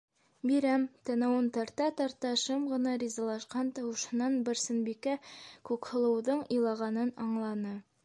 Бирәм... - танауын тарта-тарта шым ғына ризалашҡан тауышынан Барсынбикә Күкһылыуҙың илағанын аңланы.